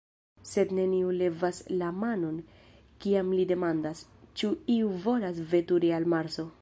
Sed neniu levas la manon, kiam li demandas, ĉu iu volas veturi al Marso.